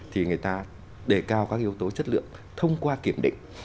thì người ta đề cao các yếu tố chất lượng thông qua kiểm định